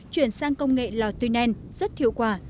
chuyển sang công nghệ lò tuy nền rất hiệu quả